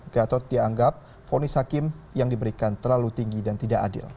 gatot dianggap fonis hakim yang diberikan terlalu tinggi dan tidak adil